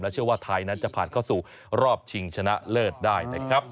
เชื่อว่าไทยนั้นจะผ่านเข้าสู่รอบชิงชนะเลิศได้นะครับ